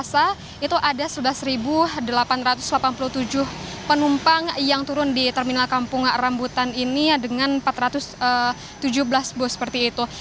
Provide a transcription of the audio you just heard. itu ada sebelas delapan ratus delapan puluh tujuh penumpang yang turun di terminal kampung rambutan ini dengan empat ratus tujuh belas bus seperti itu